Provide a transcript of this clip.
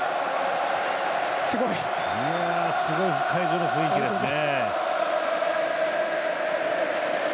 すごい会場の雰囲気ですね。